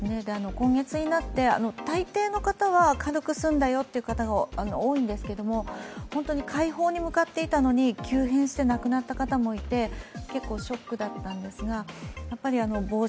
今月になって、大抵の方は軽く済んだという方が多いんですけども、快方に向かっていたのに急変して亡くなった方もいて結構ショックだったんです。